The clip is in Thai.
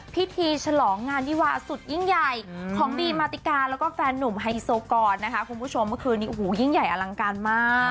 ฉลองงานวิวาสุดยิ่งใหญ่ของบีมมาติกาแล้วก็แฟนหนุ่มไฮโซกรนะคะคุณผู้ชมเมื่อคืนนี้โอ้โหยิ่งใหญ่อลังการมาก